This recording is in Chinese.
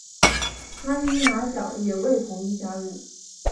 哈伊马角也未同意加入。